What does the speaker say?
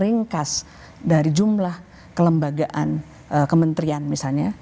ringkas dari jumlah kelembagaan kementerian misalnya